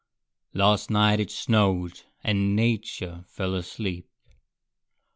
Last night it snowed; and Nature fell asleep.